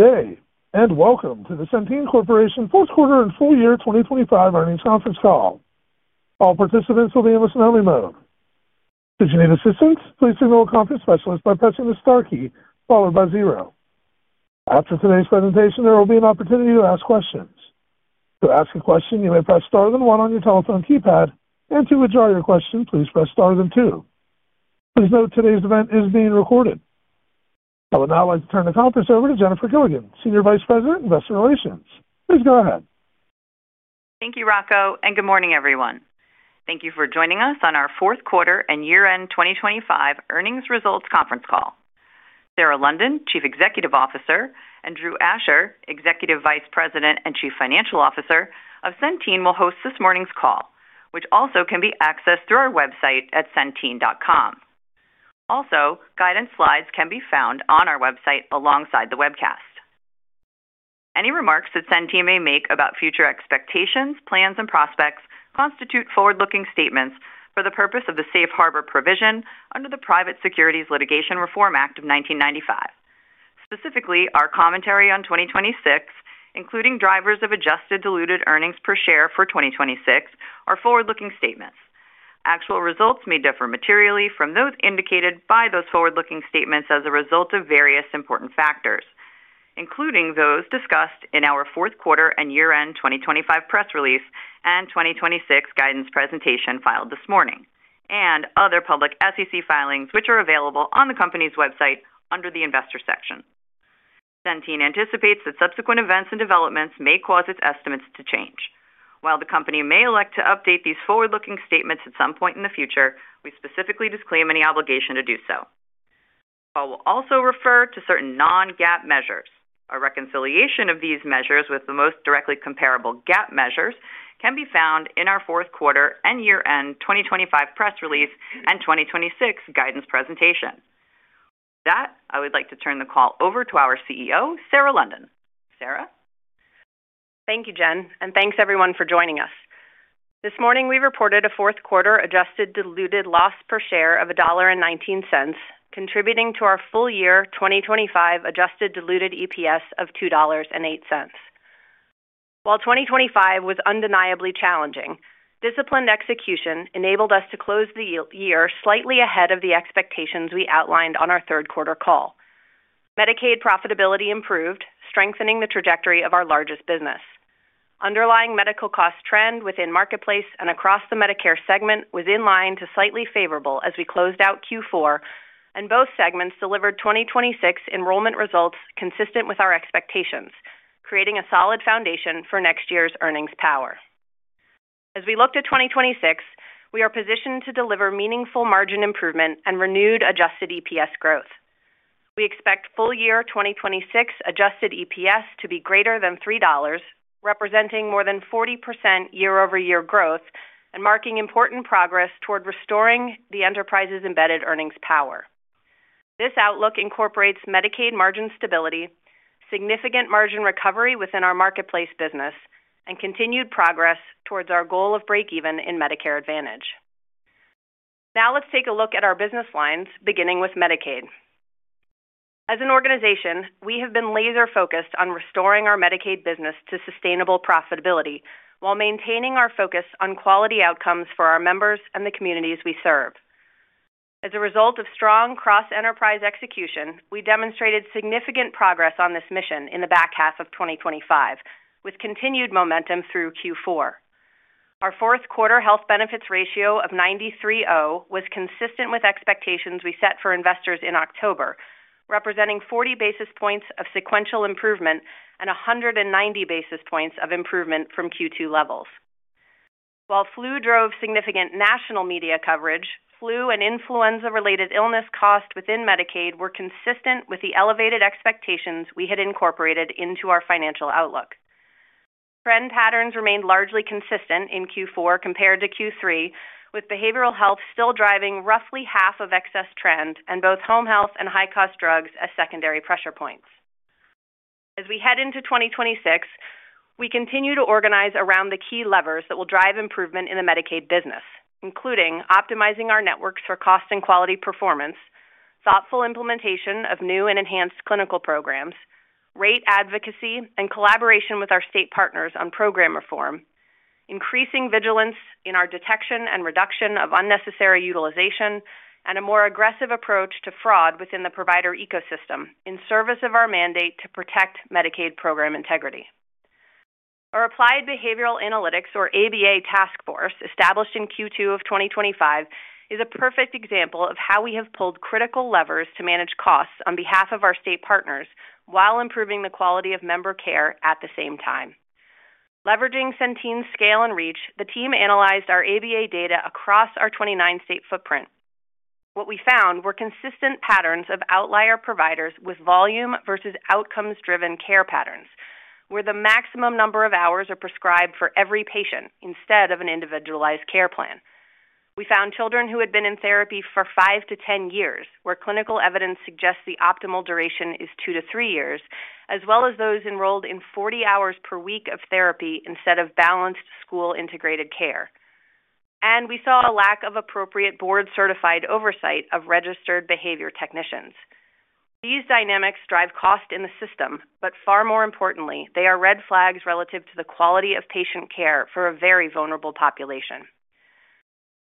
day and welcome to the Centene Corporation Fourth Quarter and Full Year 2025 Earnings Conference Call. All participants will be in listen-only mode. Did you need assistance? Please signal a conference specialist by pressing the star key followed by zero. After today's presentation, there will be an opportunity to ask questions. To ask a question, you may press star then one on your telephone keypad, and to withdraw your question, please press star then two. Please note today's event is being recorded. I would now like to turn the conference over to Jennifer Gilligan, Senior Vice President, Investor Relations. Please go ahead. Thank you, Rocco, and good morning, everyone. Thank you for joining us on our fourth quarter and year-end 2025 earnings results conference call. Sarah London, Chief Executive Officer, and Drew Asher, Executive Vice President and Chief Financial Officer of Centene, will host this morning's call, which also can be accessed through our website at centene.com. Also, guidance slides can be found on our website alongside the webcast. Any remarks that Centene may make about future expectations, plans, and prospects constitute forward-looking statements for the purpose of the safe harbor provision under the Private Securities Litigation Reform Act of 1995. Specifically, our commentary on 2026, including drivers of Adjusted Diluted Earnings Per Share for 2026, are forward-looking statements. Actual results may differ materially from those indicated by those forward-looking statements as a result of various important factors, including those discussed in our Fourth Quarter and Year-End 2025 Press Release and 2026 Guidance Presentation filed this morning, and other public SEC filings which are available on the company's website under the Investor section. Centene anticipates that subsequent events and developments may cause its estimates to change. While the company may elect to update these forward-looking statements at some point in the future, we specifically disclaim any obligation to do so. I will also refer to certain non-GAAP measures. A reconciliation of these measures with the most directly comparable GAAP measures can be found in our Fourth Quarter and Year-End 2025 Press Release and 2026 Guidance Presentation. With that, I would like to turn the call over to our CEO, Sarah London. Sarah? Thank you, Jen, and thanks everyone for joining us. This morning, we reported a fourth quarter adjusted diluted loss per share of $1.19, contributing to our full year 2025 adjusted diluted EPS of $2.08. While 2025 was undeniably challenging, disciplined execution enabled us to close the year slightly ahead of the expectations we outlined on our third quarter call. Medicaid profitability improved, strengthening the trajectory of our largest business. Underlying medical cost trend within Marketplace and across the Medicare segment was in line to slightly favorable as we closed out Q4, and both segments delivered 2026 enrollment results consistent with our expectations, creating a solid foundation for next year's earnings power. As we look to 2026, we are positioned to deliver meaningful margin improvement and renewed adjusted EPS growth. We expect full year 2026 adjusted EPS to be greater than $3, representing more than 40% year-over-year growth and marking important progress toward restoring the enterprise's embedded earnings power. This outlook incorporates Medicaid margin stability, significant margin recovery within our marketplace business, and continued progress towards our goal of break-even in Medicare Advantage. Now let's take a look at our business lines, beginning with Medicaid. As an organization, we have been laser-focused on restoring our Medicaid business to sustainable profitability while maintaining our focus on quality outcomes for our members and the communities we serve. As a result of strong cross-enterprise execution, we demonstrated significant progress on this mission in the back half of 2025, with continued momentum through Q4. Our fourth quarter health benefits ratio of 93.0 was consistent with expectations we set for investors in October, representing 40 basis points of sequential improvement and 190 basis points of improvement from Q2 levels. While flu drove significant national media coverage, flu and influenza-related illness costs within Medicaid were consistent with the elevated expectations we had incorporated into our financial outlook. Trend patterns remained largely consistent in Q4 compared to Q3, with behavioral health still driving roughly half of excess trend and both home health and high-cost drugs as secondary pressure points. As we head into 2026, we continue to organize around the key levers that will drive improvement in the Medicaid business, including optimizing our networks for cost and quality performance, thoughtful implementation of new and enhanced clinical programs, rate advocacy and collaboration with our state partners on program reform, increasing vigilance in our detection and reduction of unnecessary utilization, and a more aggressive approach to fraud within the provider ecosystem in service of our mandate to protect Medicaid program integrity. Our Applied Behavior Analysis, or ABA, task force established in Q2 of 2025 is a perfect example of how we have pulled critical levers to manage costs on behalf of our state partners while improving the quality of member care at the same time. Leveraging Centene's scale and reach, the team analyzed our ABA data across our 29-state footprint. What we found were consistent patterns of outlier providers with volume versus outcomes-driven care patterns, where the maximum number of hours are prescribed for every patient instead of an individualized care plan. We found children who had been in therapy for five to 10 years, where clinical evidence suggests the optimal duration is two to three years, as well as those enrolled in 40 hours per week of therapy instead of balanced school-integrated care. And we saw a lack of appropriate board-certified oversight of registered behavior technicians. These dynamics drive cost in the system, but far more importantly, they are red flags relative to the quality of patient care for a very vulnerable population.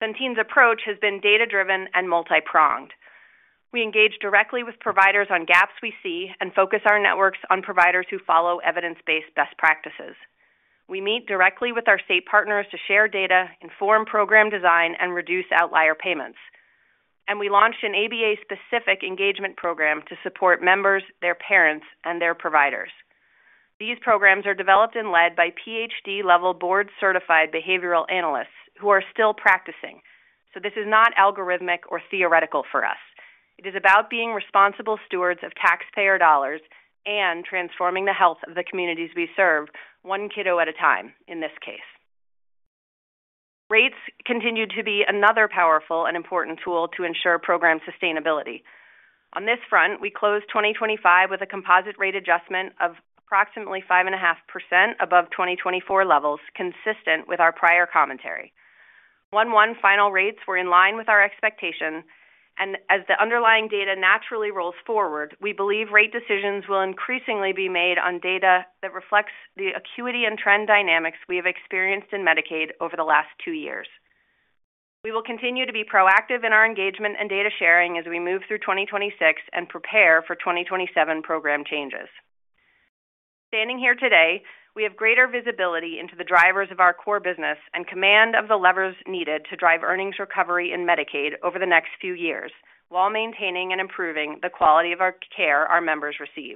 Centene's approach has been data-driven and multi-pronged. We engage directly with providers on gaps we see and focus our networks on providers who follow evidence-based best practices. We meet directly with our state partners to share data, inform program design, and reduce outlier payments. We launched an ABA-specific engagement program to support members, their parents, and their providers. These programs are developed and led by PhD-level board-certified behavioral analysts who are still practicing, so this is not algorithmic or theoretical for us. It is about being responsible stewards of taxpayer dollars and transforming the health of the communities we serve, one kiddo at a time in this case. Rates continue to be another powerful and important tool to ensure program sustainability. On this front, we closed 2025 with a composite rate adjustment of approximately 5.5% above 2024 levels, consistent with our prior commentary. 1/1 final rates were in line with our expectation. And as the underlying data naturally rolls forward, we believe rate decisions will increasingly be made on data that reflects the acuity and trend dynamics we have experienced in Medicaid over the last two years. We will continue to be proactive in our engagement and data sharing as we move through 2026 and prepare for 2027 program changes. Standing here today, we have greater visibility into the drivers of our core business and command of the levers needed to drive earnings recovery in Medicaid over the next few years while maintaining and improving the quality of our care our members receive.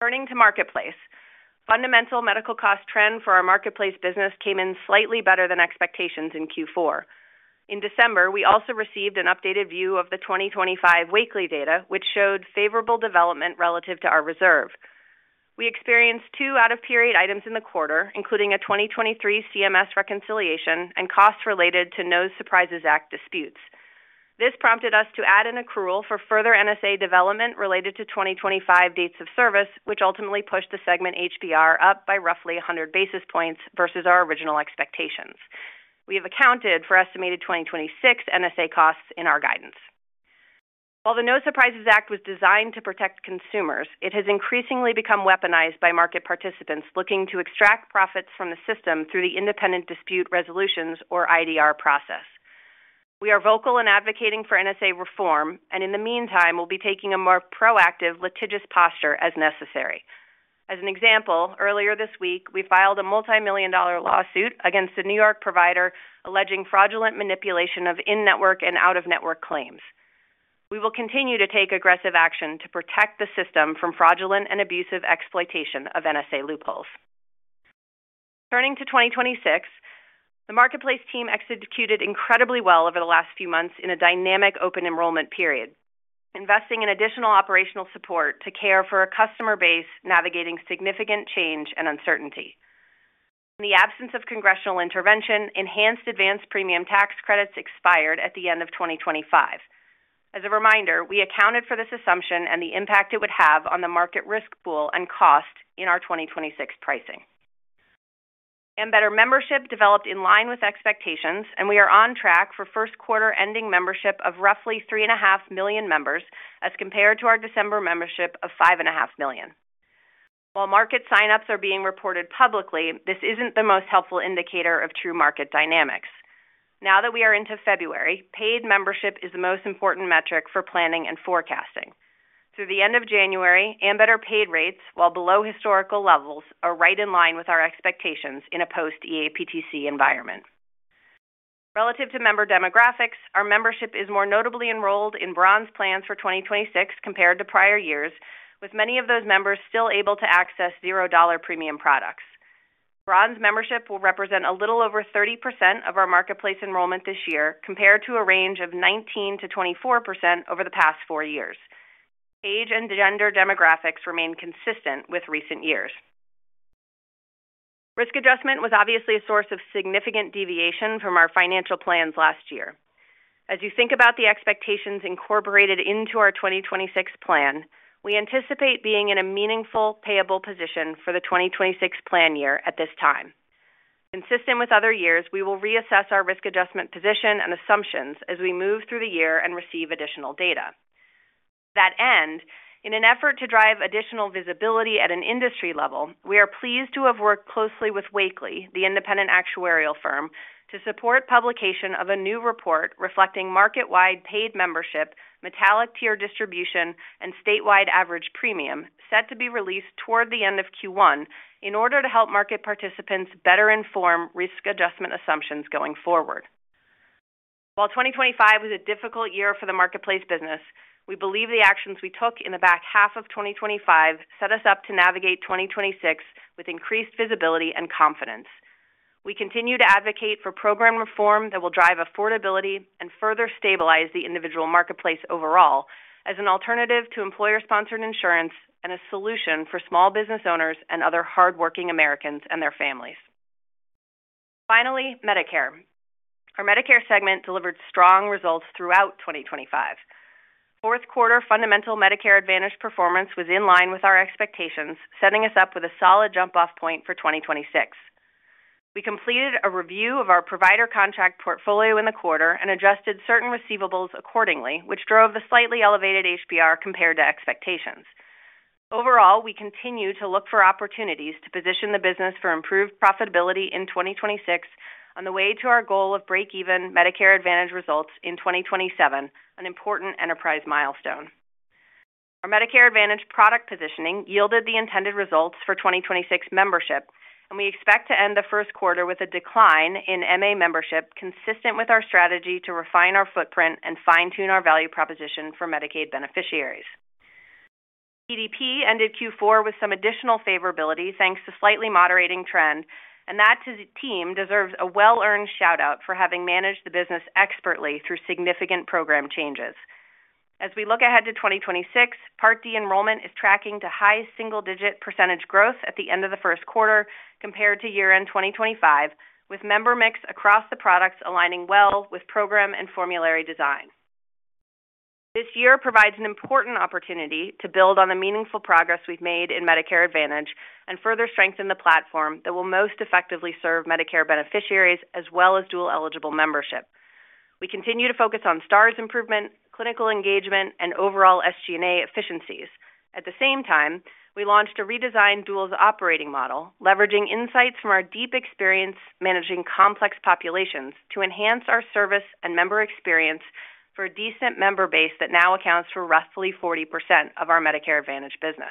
Turning to Marketplace, fundamental medical cost trend for our Marketplace business came in slightly better than expectations in Q4. In December, we also received an updated view of the 2025 Wakely data, which showed favorable development relative to our reserve. We experienced two out-of-period items in the quarter, including a 2023 CMS reconciliation and costs related to No Surprises Act disputes. This prompted us to add an accrual for further NSA development related to 2025 dates of service, which ultimately pushed the segment HBR up by roughly 100 basis points versus our original expectations. We have accounted for estimated 2026 NSA costs in our guidance. While the No Surprises Act was designed to protect consumers, it has increasingly become weaponized by market participants looking to extract profits from the system through the Independent Dispute Resolution, or IDR, process. We are vocal in advocating for NSA reform, and in the meantime, will be taking a more proactive litigious posture as necessary. As an example, earlier this week, we filed a multimillion-dollar lawsuit against a New York provider alleging fraudulent manipulation of in-network and out-of-network claims. We will continue to take aggressive action to protect the system from fraudulent and abusive exploitation of NSA loopholes. Turning to 2026, the Marketplace team executed incredibly well over the last few months in a dynamic open enrollment period, investing in additional operational support to care for a customer base navigating significant change and uncertainty. In the absence of congressional intervention, Enhanced Advance Premium Tax Credits expired at the end of 2025. As a reminder, we accounted for this assumption and the impact it would have on the market risk pool and cost in our 2026 pricing. Ambetter membership developed in line with expectations, and we are on track for first quarter ending membership of roughly 3.5 million members as compared to our December membership of 5.5 million. While market signups are being reported publicly, this isn't the most helpful indicator of true market dynamics. Now that we are into February, paid membership is the most important metric for planning and forecasting. Through the end of January, Ambetter paid rates, while below historical levels, are right in line with our expectations in a post-EAPTC environment. Relative to member demographics, our membership is more notably enrolled in Bronze plans for 2026 compared to prior years, with many of those members still able to access $0 premium products. Bronze membership will represent a little over 30% of our marketplace enrollment this year compared to a range of 19%-24% over the past four years. Age and gender demographics remain consistent with recent years. Risk adjustment was obviously a source of significant deviation from our financial plans last year. As you think about the expectations incorporated into our 2026 plan, we anticipate being in a meaningful payable position for the 2026 plan year at this time. Consistent with other years, we will reassess our risk adjustment position and assumptions as we move through the year and receive additional data. To that end, in an effort to drive additional visibility at an industry level, we are pleased to have worked closely with Wakely, the independent actuarial firm, to support publication of a new report reflecting marketwide paid membership, metallic tier distribution, and statewide average premium set to be released toward the end of Q1 in order to help market participants better inform risk adjustment assumptions going forward. While 2025 was a difficult year for the marketplace business, we believe the actions we took in the back half of 2025 set us up to navigate 2026 with increased visibility and confidence. We continue to advocate for program reform that will drive affordability and further stabilize the individual marketplace overall as an alternative to employer-sponsored insurance and a solution for small business owners and other hardworking Americans and their families. Finally, Medicare. Our Medicare segment delivered strong results throughout 2025. Fourth quarter fundamental Medicare Advantage performance was in line with our expectations, setting us up with a solid jump-off point for 2026. We completed a review of our provider contract portfolio in the quarter and adjusted certain receivables accordingly, which drove the slightly elevated HBR compared to expectations. Overall, we continue to look for opportunities to position the business for improved profitability in 2026 on the way to our goal of break-even Medicare Advantage results in 2027, an important enterprise milestone. Our Medicare Advantage product positioning yielded the intended results for 2026 membership, and we expect to end the first quarter with a decline in MA membership consistent with our strategy to refine our footprint and fine-tune our value proposition for Medicaid beneficiaries. PDP ended Q4 with some additional favorability thanks to slightly moderating trend, and that team deserves a well-earned shout-out for having managed the business expertly through significant program changes. As we look ahead to 2026, Part D enrollment is tracking to high single-digit % growth at the end of the first quarter compared to year-end 2025, with member mix across the products aligning well with program and formulary design. This year provides an important opportunity to build on the meaningful progress we've made in Medicare Advantage and further strengthen the platform that will most effectively serve Medicare beneficiaries as well as dual-eligible membership. We continue to focus on stars improvement, clinical engagement, and overall SG&A efficiencies. At the same time, we launched a redesigned duals operating model, leveraging insights from our deep experience managing complex populations to enhance our service and member experience for a duals member base that now accounts for roughly 40% of our Medicare Advantage business.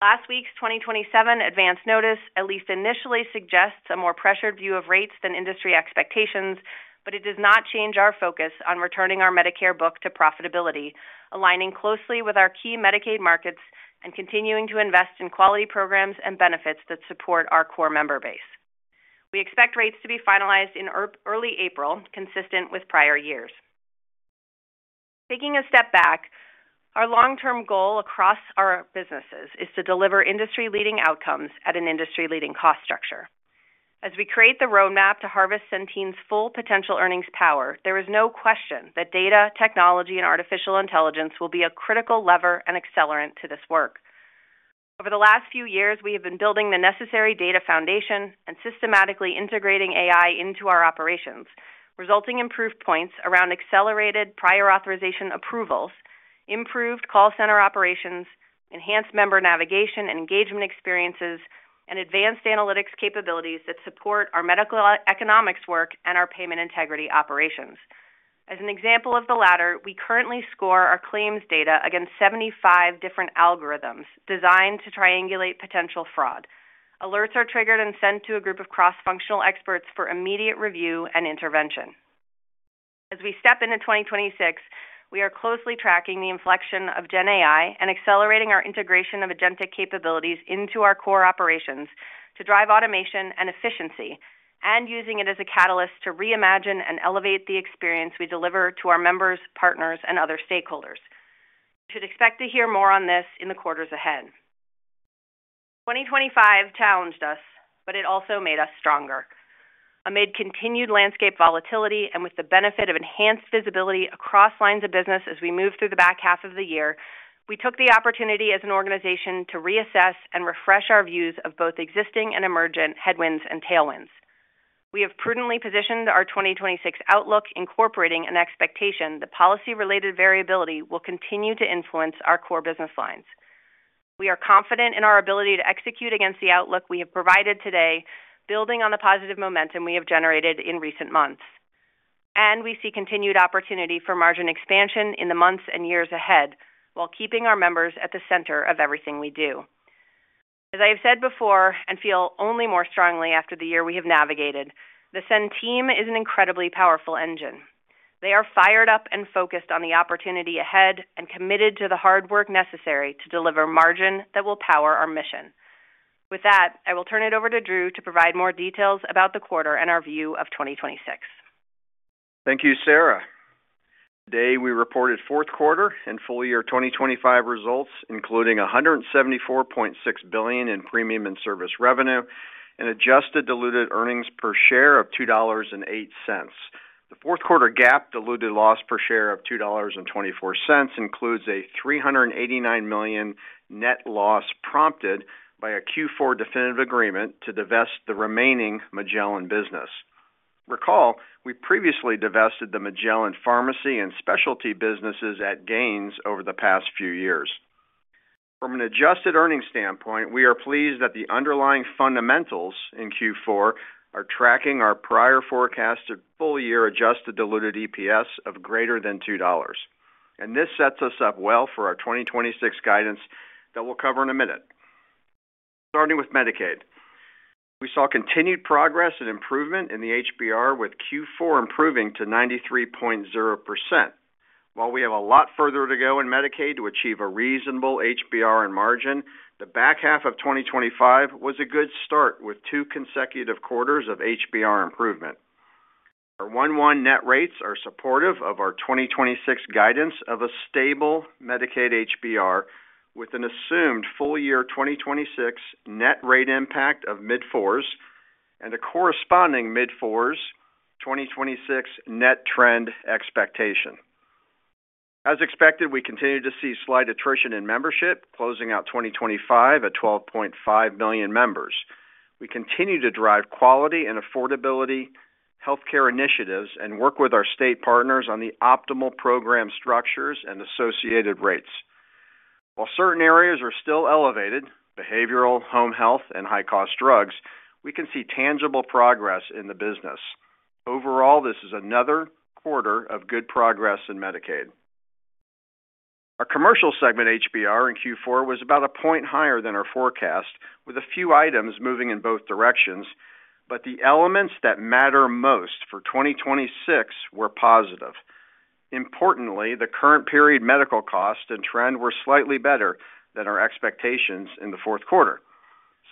Last week's 2027 Advance Notice, at least initially, suggests a more pressured view of rates than industry expectations, but it does not change our focus on returning our Medicare book to profitability, aligning closely with our key Medicaid markets and continuing to invest in quality programs and benefits that support our core member base. We expect rates to be finalized in early April, consistent with prior years. Taking a step back, our long-term goal across our businesses is to deliver industry-leading outcomes at an industry-leading cost structure. As we create the roadmap to harvest Centene's full potential earnings power, there is no question that data, technology, and artificial intelligence will be a critical lever and accelerant to this work. Over the last few years, we have been building the necessary data foundation and systematically integrating AI into our operations, resulting in proof points around accelerated prior authorization approvals, improved call center operations, enhanced member navigation and engagement experiences, and advanced analytics capabilities that support our medical economics work and our payment integrity operations. As an example of the latter, we currently score our claims data against 75 different algorithms designed to triangulate potential fraud. Alerts are triggered and sent to a group of cross-functional experts for immediate review and intervention. As we step into 2026, we are closely tracking the inflection of GenAI and accelerating our integration of agentic capabilities into our core operations to drive automation and efficiency, and using it as a catalyst to reimagine and elevate the experience we deliver to our members, partners, and other stakeholders. You should expect to hear more on this in the quarters ahead. 2025 challenged us, but it also made us stronger. Amid continued landscape volatility and with the benefit of enhanced visibility across lines of business as we move through the back half of the year, we took the opportunity as an organization to reassess and refresh our views of both existing and emergent headwinds and tailwinds. We have prudently positioned our 2026 outlook, incorporating an expectation the policy-related variability will continue to influence our core business lines. We are confident in our ability to execute against the outlook we have provided today, building on the positive momentum we have generated in recent months. We see continued opportunity for margin expansion in the months and years ahead while keeping our members at the center of everything we do. As I have said before and feel only more strongly after the year we have navigated, Centene is an incredibly powerful engine. They are fired up and focused on the opportunity ahead and committed to the hard work necessary to deliver margin that will power our mission. With that, I will turn it over to Drew to provide more details about the quarter and our view of 2026. Thank you, Sarah. Today we reported fourth quarter and full year 2025 results, including $174.6 billion in premium and service revenue, an adjusted diluted earnings per share of $2.08. The fourth quarter GAAP diluted loss per share of $2.24 includes a $389 million net loss prompted by a Q4 definitive agreement to divest the remaining Magellan business. Recall, we previously divested the Magellan pharmacy and specialty businesses at gains over the past few years. From an adjusted earnings standpoint, we are pleased that the underlying fundamentals in Q4 are tracking our prior forecasted full year adjusted diluted EPS of greater than $2.00. This sets us up well for our 2026 guidance that we'll cover in a minute. Starting with Medicaid, we saw continued progress and improvement in the HBR, with Q4 improving to 93.0%. While we have a lot further to go in Medicaid to achieve a reasonable HBR and margin, the back half of 2025 was a good start with two consecutive quarters of HBR improvement. Our 1/1 net rates are supportive of our 2026 guidance of a stable Medicaid HBR, with an assumed full year 2026 net rate impact of mid-4s and a corresponding mid-4s 2026 net trend expectation. As expected, we continue to see slight attrition in membership, closing out 2025 at 12.5 million members. We continue to drive quality and affordability healthcare initiatives and work with our state partners on the optimal program structures and associated rates. While certain areas are still elevated, behavioral, home health, and high-cost drugs, we can see tangible progress in the business. Overall, this is another quarter of good progress in Medicaid. Our commercial segment HBR in Q4 was about a point higher than our forecast, with a few items moving in both directions, but the elements that matter most for 2026 were positive. Importantly, the current period medical cost and trend were slightly better than our expectations in the fourth quarter.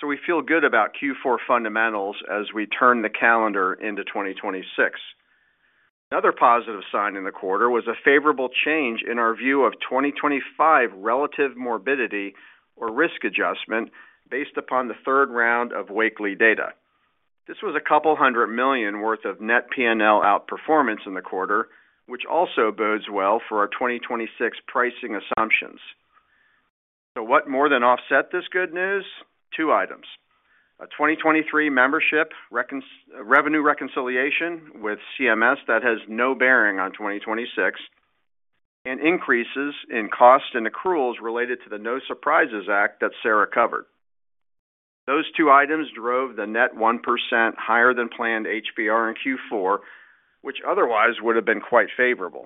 So we feel good about Q4 fundamentals as we turn the calendar into 2026. Another positive sign in the quarter was a favorable change in our view of 2025 relative morbidity or risk adjustment based upon the third round of Wakely data. This was $200 million worth of net P&L outperformance in the quarter, which also bodes well for our 2026 pricing assumptions. So what more than offset this good news? Two items: a 2023 membership revenue reconciliation with CMS that has no bearing on 2026, and increases in cost and accruals related to the No Surprises Act that Sarah covered. Those two items drove the net 1% higher than planned HBR in Q4, which otherwise would have been quite favorable.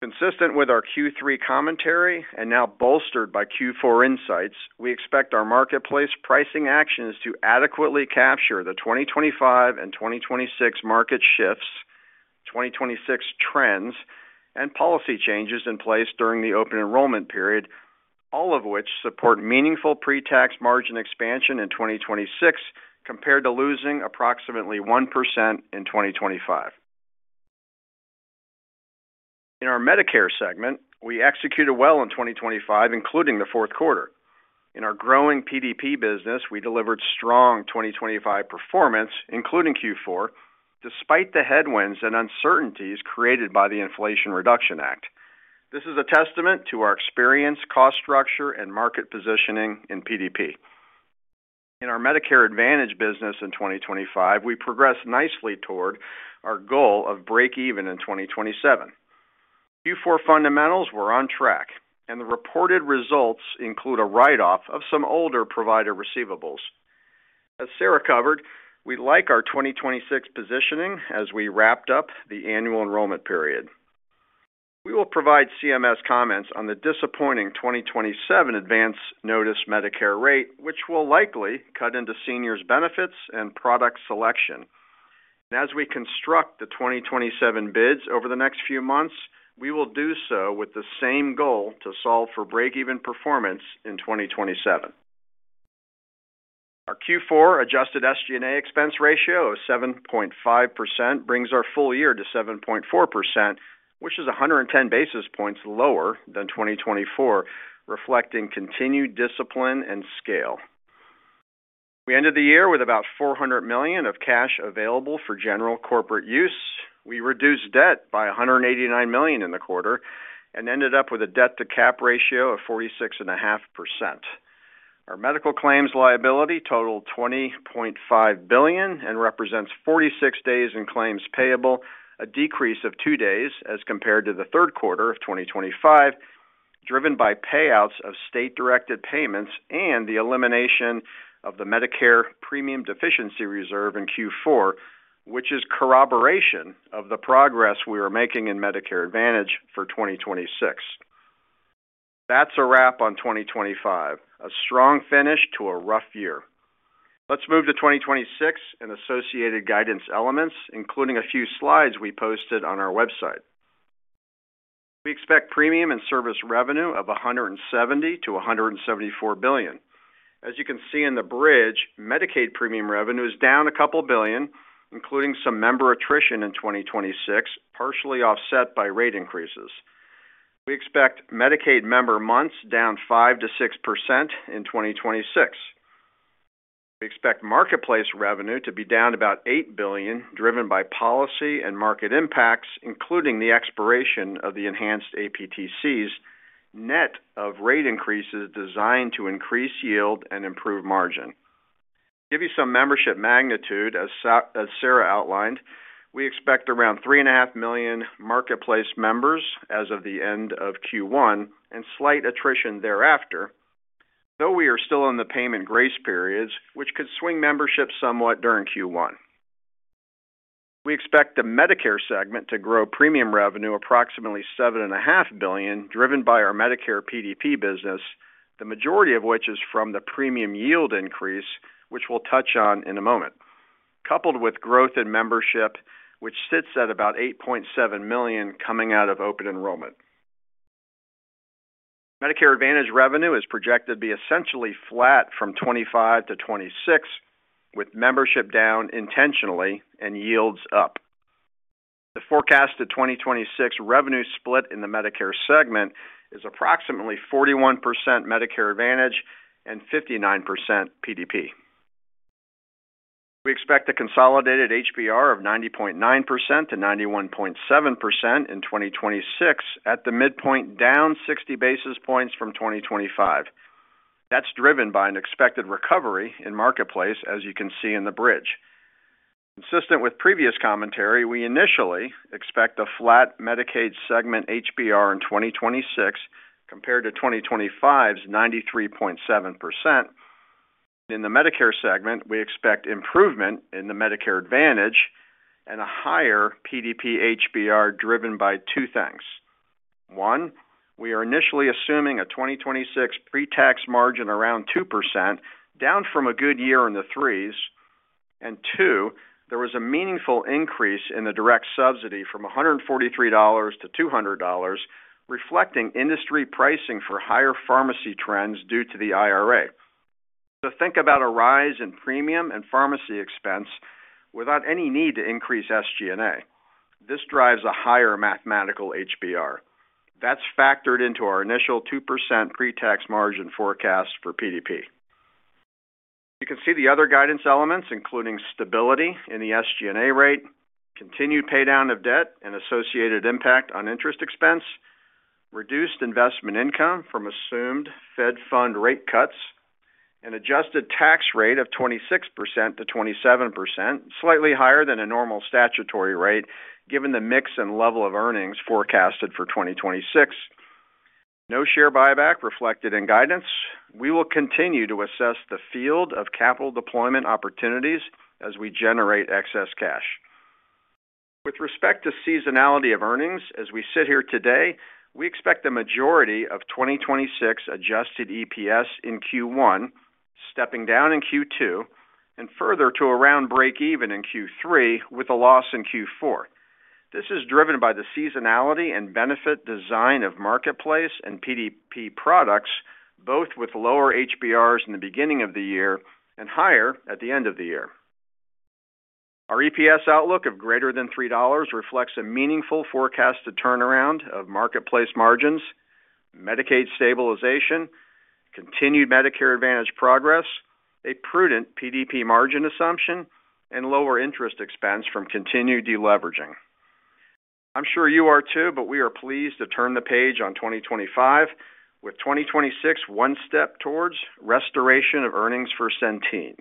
Consistent with our Q3 commentary and now bolstered by Q4 insights, we expect our marketplace pricing actions to adequately capture the 2025 and 2026 market shifts, 2026 trends, and policy changes in place during the open enrollment period, all of which support meaningful pre-tax margin expansion in 2026 compared to losing approximately 1% in 2025. In our Medicare segment, we executed well in 2025, including the fourth quarter. In our growing PDP business, we delivered strong 2025 performance, including Q4, despite the headwinds and uncertainties created by the Inflation Reduction Act. This is a testament to our experience, cost structure, and market positioning in PDP. In our Medicare Advantage business in 2025, we progressed nicely toward our goal of break-even in 2027. Q4 fundamentals were on track, and the reported results include a write-off of some older provider receivables. As Sarah covered, we like our 2026 positioning as we wrapped up the annual enrollment period. We will provide CMS comments on the disappointing 2027 advance notice Medicare rate, which will likely cut into seniors' benefits and product selection. As we construct the 2027 bids over the next few months, we will do so with the same goal to solve for break-even performance in 2027. Our Q4 adjusted SG&A expense ratio of 7.5% brings our full year to 7.4%, which is 110 basis points lower than 2024, reflecting continued discipline and scale. We ended the year with about $400 million of cash available for general corporate use. We reduced debt by $189 million in the quarter and ended up with a debt-to-cap ratio of 46.5%. Our medical claims liability totaled $20.5 billion and represents 46 days in claims payable, a decrease of two days as compared to the third quarter of 2025, driven by payouts of state-directed payments and the elimination of the Medicare premium deficiency reserve in Q4, which is corroboration of the progress we were making in Medicare Advantage for 2026. That's a wrap on 2025, a strong finish to a rough year. Let's move to 2026 and associated guidance elements, including a few slides we posted on our website. We expect premium and service revenue of $170 billion-$174 billion. As you can see in the bridge, Medicaid premium revenue is down $2 billion, including some member attrition in 2026, partially offset by rate increases. We expect Medicaid member months down 5%-6% in 2026. We expect Marketplace revenue to be down about $8 billion, driven by policy and market impacts, including the expiration of the Enhanced APTCs, net of rate increases designed to increase yield and improve margin. To give you some membership magnitude, as Sarah outlined, we expect around 3.5 million Marketplace members as of the end of Q1 and slight attrition thereafter, though we are still in the payment grace periods, which could swing membership somewhat during Q1. We expect the Medicare segment to grow premium revenue approximately $7.5 billion, driven by our Medicare PDP business, the majority of which is from the premium yield increase, which we'll touch on in a moment, coupled with growth in membership, which sits at about 8.7 million coming out of open enrollment. Medicare Advantage revenue is projected to be essentially flat from 2025 to 2026, with membership down intentionally and yields up. The forecasted 2026 revenue split in the Medicare segment is approximately 41% Medicare Advantage and 59% PDP. We expect a consolidated HBR of 90.9%-91.7% in 2026, at the midpoint down 60 basis points from 2025. That's driven by an expected recovery in marketplace, as you can see in the bridge. Consistent with previous commentary, we initially expect a flat Medicaid segment HBR in 2026 compared to 2025's 93.7%. And in the Medicare segment, we expect improvement in the Medicare Advantage and a higher PDP HBR driven by two things. One, we are initially assuming a 2026 pre-tax margin around 2%, down from a good year in the 3s. And two, there was a meaningful increase in the direct subsidy from $143 to $200, reflecting industry pricing for higher pharmacy trends due to the IRA. So think about a rise in premium and pharmacy expense without any need to increase SG&A. This drives a higher mathematical HBR. That's factored into our initial 2% pre-tax margin forecast for PDP. You can see the other guidance elements, including stability in the SG&A rate, continued paydown of debt and associated impact on interest expense, reduced investment income from assumed Fed fund rate cuts, and adjusted tax rate of 26%-27%, slightly higher than a normal statutory rate given the mix and level of earnings forecasted for 2026. No share buyback reflected in guidance. We will continue to assess the field of capital deployment opportunities as we generate excess cash. With respect to seasonality of earnings, as we sit here today, we expect the majority of 2026 adjusted EPS in Q1, stepping down in Q2, and further to around break-even in Q3 with a loss in Q4. This is driven by the seasonality and benefit design of Marketplace and PDP products, both with lower HBRs in the beginning of the year and higher at the end of the year. Our EPS outlook of greater than $3.00 reflects a meaningful forecasted turnaround of Marketplace margins, Medicaid stabilization, continued Medicare Advantage progress, a prudent PDP margin assumption, and lower interest expense from continued deleveraging. I'm sure you are too, but we are pleased to turn the page on 2025 with 2026 one step towards restoration of earnings for Centene.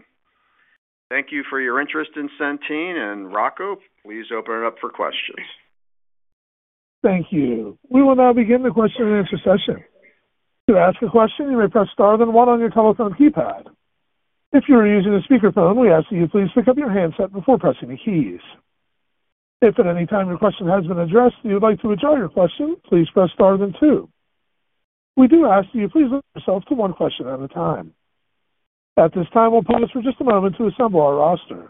Thank you for your interest in Centene. And Rocco, please open it up for questions. Thank you. We will now begin the question and answer session. To ask a question, you may press star then one on your telephone keypad. If you are using a speakerphone, we ask that you please pick up your handset before pressing the keys. If at any time your question has been addressed and you would like to withdraw your question, please press star then two. We do ask that you please limit yourself to one question at a time. At this time, we'll pause for just a moment to assemble our roster.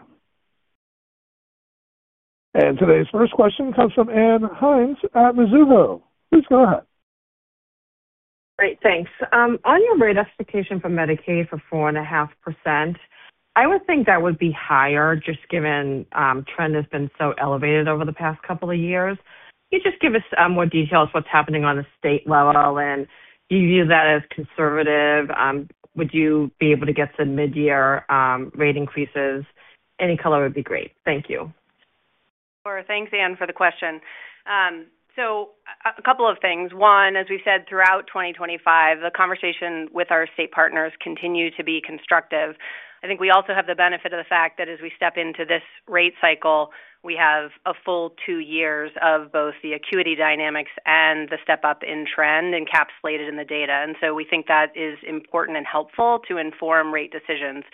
Today's first question comes from Ann Hynes at Mizuho. Please go ahead. Great. Thanks. On your rate expectation for Medicaid for 4.5%, I would think that would be higher just given trend has been so elevated over the past couple of years. Can you just give us more detail as to what's happening on the state level? And do you view that as conservative? Would you be able to get some mid-year rate increases? Any color would be great. Thank you. Sure. Thanks, Ann, for the question. So a couple of things. One, as we've said throughout 2025, the conversation with our state partners continues to be constructive. I think we also have the benefit of the fact that as we step into this rate cycle, we have a full two years of both the acuity dynamics and the step-up in trend encapsulated in the data. And so we think that is important and helpful to inform rate decisions.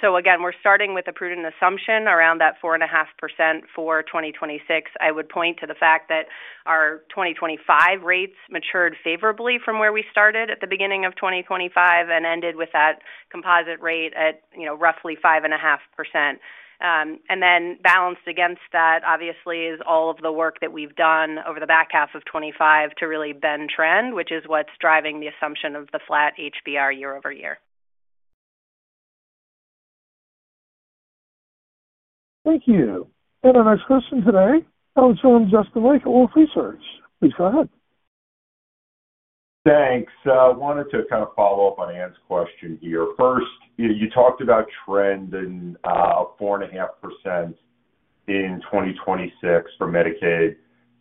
So again, we're starting with a prudent assumption around that 4.5% for 2026. I would point to the fact that our 2025 rates matured favorably from where we started at the beginning of 2025 and ended with that composite rate at roughly 5.5%. And then balanced against that, obviously, is all of the work that we've done over the back half of 2025 to really bend trend, which is what's driving the assumption of the flat HBR year-over-year. Thank you. And our next question today, Justin Lake, Wolfe Research. Please go ahead. Thanks. I wanted to kind of follow up on Ann question here. First, you talked about trend of 4.5% in 2026 for Medicaid.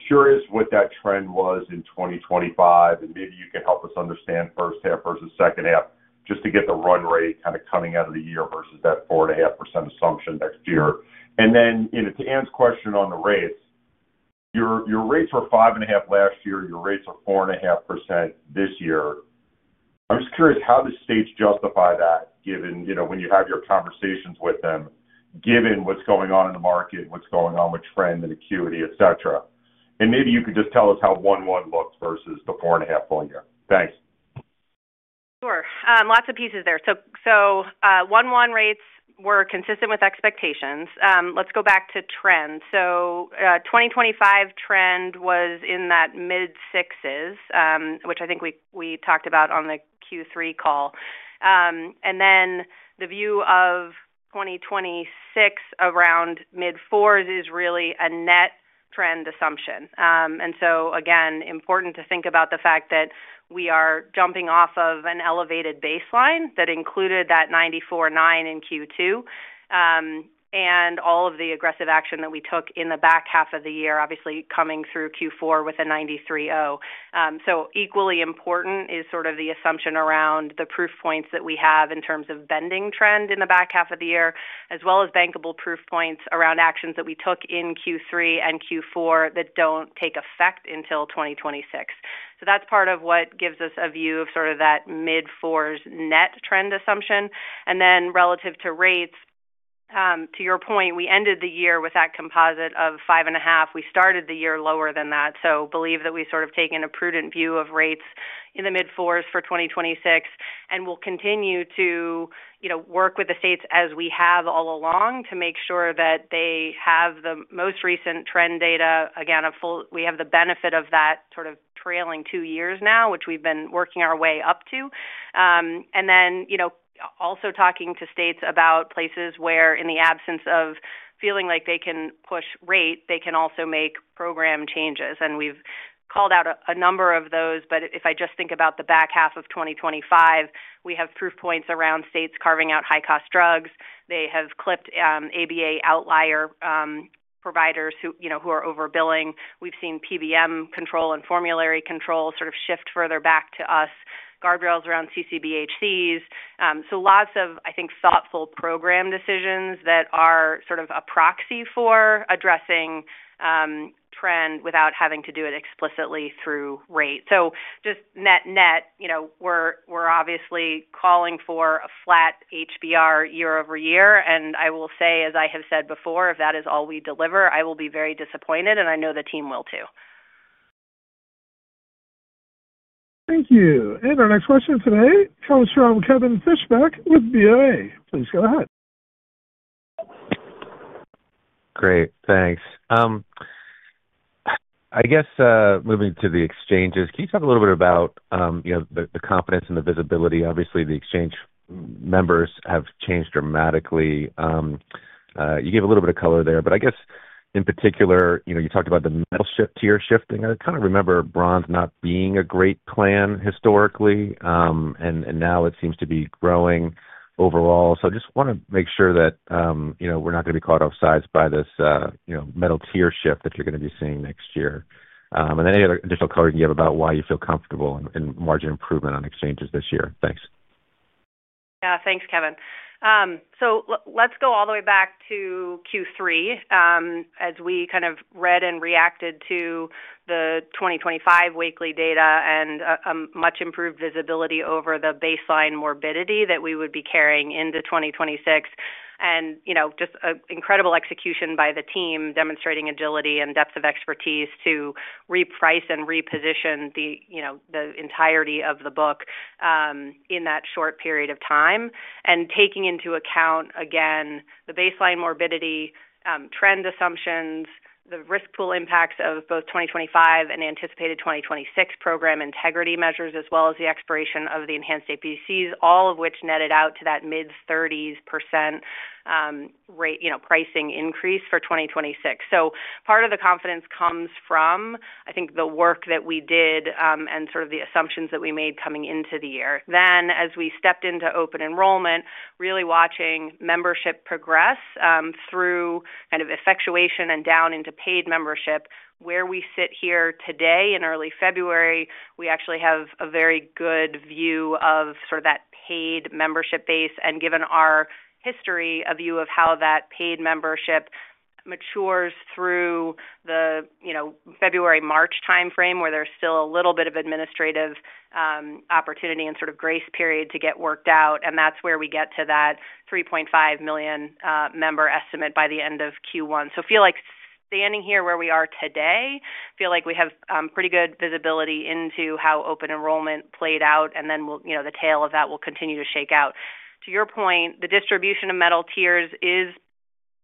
Curious what that trend was in 2025. And maybe you can help us understand first half versus second half just to get the run rate kind of coming out of the year versus that 4.5% assumption next year. And then to Ann's question on the rates, your rates were 5.5% last year. Your rates are 4.5% this year. I'm just curious how the states justify that when you have your conversations with them, given what's going on in the market, what's going on with trend and acuity, etc. And maybe you could just tell us how 1.1% looked versus the 4.5% full year. Thanks. Sure. Lots of pieces there. So 1.1% rates were consistent with expectations. Let's go back to trend. So 2025 trend was in that mid-6s, which I think we talked about on the Q3 call. And then the view of 2026 around mid-4s is really a net trend assumption. And so again, important to think about the fact that we are jumping off of an elevated baseline that included that 94.9% in Q2 and all of the aggressive action that we took in the back half of the year, obviously coming through Q4 with a 93.0%. So equally important is sort of the assumption around the proof points that we have in terms of bending trend in the back half of the year, as well as bankable proof points around actions that we took in Q3 and Q4 that don't take effect until 2026. So that's part of what gives us a view of sort of that mid-4s net trend assumption. And then relative to rates, to your point, we ended the year with that composite of 5.5%. We started the year lower than that. So believe that we've sort of taken a prudent view of rates in the mid-4s for 2026. And we'll continue to work with the states as we have all along to make sure that they have the most recent trend data. Again, we have the benefit of that sort of trailing two years now, which we've been working our way up to. And then also talking to states about places where, in the absence of feeling like they can push rate, they can also make program changes. And we've called out a number of those. But if I just think about the back half of 2025, we have proof points around states carving out high-cost drugs. They have clipped ABA outlier providers who are overbilling. We've seen PBM control and formulary control sort of shift further back to us, guardrails around CCBHCs. So lots of, I think, thoughtful program decisions that are sort of a proxy for addressing trend without having to do it explicitly through rate. So just net, net, we're obviously calling for a flat HBR year-over-year. And I will say, as I have said before, if that is all we deliver, I will be very disappointed. And I know the team will too. Thank you. And our next question today, Kevin Fischbeck with BOA. Please go ahead. Great. Thanks. I guess moving to the exchanges, can you talk a little bit about the confidence and the visibility? Obviously, the exchange members have changed dramatically. You gave a little bit of color there. But I guess in particular, you talked about the metal tier shift. I kind of remember bronze not being a great plan historically. And now it seems to be growing overall. So I just want to make sure that we're not going to be caught off guard by this metal tier shift that you're going to be seeing next year. And then any other additional color you can give about why you feel comfortable in margin improvement on exchanges this year. Thanks. Yeah. Thanks, Kevin. So let's go all the way back to Q3 as we kind of read and reacted to the 2025 Wakely data and a much improved visibility over the baseline morbidity that we would be carrying into 2026. Just incredible execution by the team demonstrating agility and depth of expertise to reprice and reposition the entirety of the book in that short period of time. Taking into account, again, the baseline morbidity, trend assumptions, the risk pool impacts of both 2025 and anticipated 2026 program integrity measures, as well as the expiration of the enhanced APCs, all of which netted out to that mid-30% pricing increase for 2026. So part of the confidence comes from, I think, the work that we did and sort of the assumptions that we made coming into the year. Then as we stepped into open enrollment, really watching membership progress through kind of effectuation and down into paid membership, where we sit here today in early February, we actually have a very good view of sort of that paid membership base. And given our history, a view of how that paid membership matures through the February-March timeframe where there's still a little bit of administrative opportunity and sort of grace period to get worked out. And that's where we get to that 3.5 million member estimate by the end of Q1. So feel like standing here where we are today, feel like we have pretty good visibility into how open enrollment played out. And then the tail of that will continue to shake out. To your point, the distribution of metal tiers is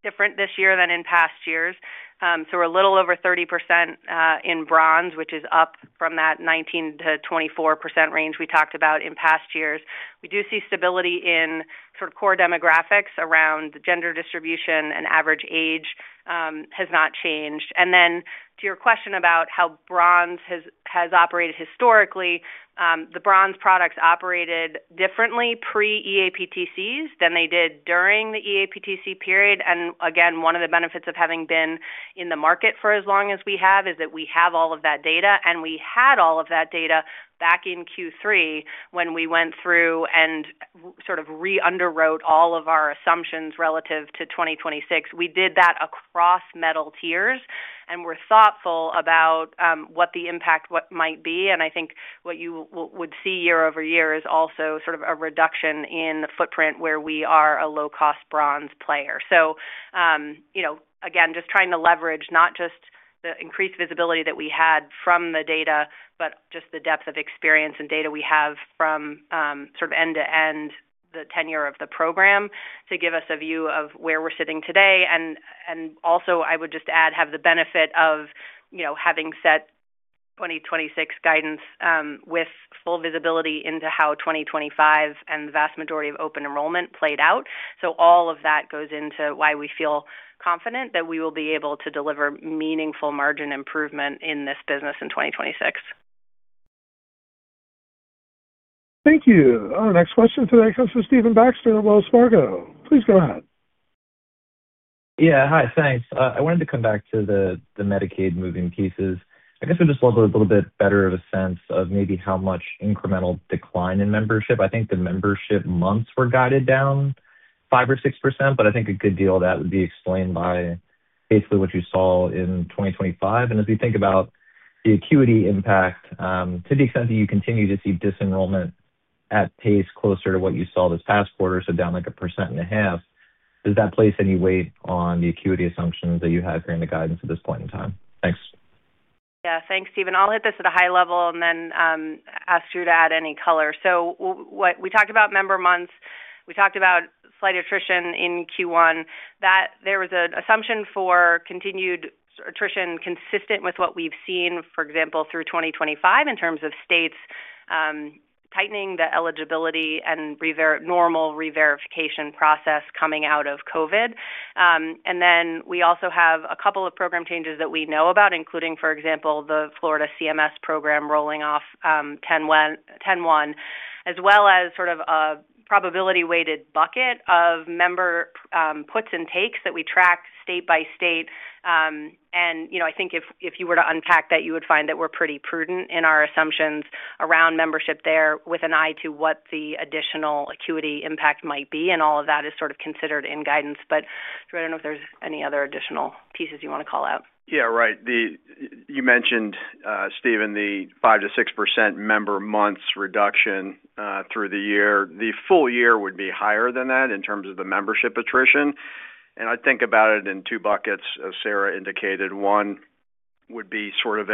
different this year than in past years. So we're a little over 30% in bronze, which is up from that 19%-24% range we talked about in past years. We do see stability in sort of core demographics around gender distribution and average age has not changed. And then to your question about how Bronze has operated historically, the Bronze products operated differently pre-EAPTCs than they did during the EAPTC period. And again, one of the benefits of having been in the market for as long as we have is that we have all of that data. And we had all of that data back in Q3 when we went through and sort of reunderwrote all of our assumptions relative to 2026. We did that across Metal Tiers. And we're thoughtful about what the impact might be. And I think what you would see year-over-year is also sort of a reduction in the footprint where we are a low-cost Bronze player. So again, just trying to leverage not just the increased visibility that we had from the data, but just the depth of experience and data we have from sort of end-to-end the tenure of the program to give us a view of where we're sitting today. Also, I would just add, have the benefit of having set 2026 guidance with full visibility into how 2025 and the vast majority of open enrollment played out. So all of that goes into why we feel confident that we will be able to deliver meaningful margin improvement in this business in 2026. Thank you. Our next question today comes from Stephen Baxter at Wells Fargo. Please go ahead. Yeah. Hi. Thanks. I wanted to come back to the Medicaid moving pieces. I guess I'd just love a little bit better sense of maybe how much incremental decline in membership. I think the membership months were guided down 5% or 6%. But I think a good deal of that would be explained by basically what you saw in 2025. And as we think about the acuity impact, to the extent that you continue to see disenrollment at pace closer to what you saw this past quarter, so down like 1.5%, does that place any weight on the acuity assumptions that you have during the guidance at this point in time? Thanks. Yeah. Thanks, Stephen. I'll hit this at a high level and then ask you to add any color. So we talked about member months. We talked about slight attrition in Q1. There was an assumption for continued attrition consistent with what we've seen, for example, through 2025 in terms of states tightening the eligibility and normal re-verification process coming out of COVID. And then we also have a couple of program changes that we know about, including, for example, the Florida CMS program rolling off 10/1, as well as sort of a probability-weighted bucket of member puts and takes that we track state by state. And I think if you were to unpack that, you would find that we're pretty prudent in our assumptions around membership there with an eye to what the additional acuity impact might be. And all of that is sort of considered in guidance. But I don't know if there's any other additional pieces you want to call out. Yeah. Right. You mentioned, Stephen, the 5%-6% member months reduction through the year. The full year would be higher than that in terms of the membership attrition. And I think about it in two buckets, as Sarah indicated. One would be sort of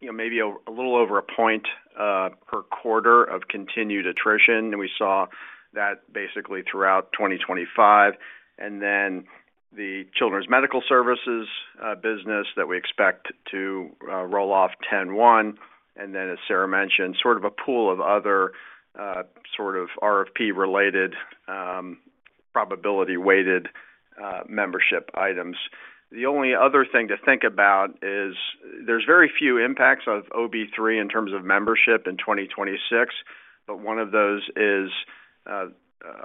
maybe a little over a point per quarter of continued attrition. We saw that basically throughout 2025. Then the Children's Medical Services business that we expect to roll off 10/1. Then, as Sarah mentioned, sort of a pool of other sort of RFP-related probability-weighted membership items. The only other thing to think about is there's very few impacts of OB3 in terms of membership in 2026. But one of those is,